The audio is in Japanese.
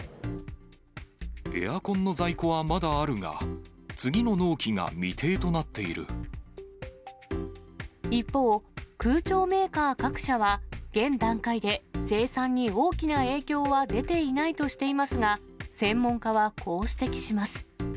エアコンの在庫はまだあるが、一方、空調メーカー各社は、現段階で生産に大きな影響は出ていないとしていますが、専門家は、こう指摘します。